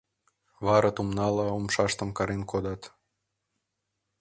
Вара тумнала умшатым карен кодат.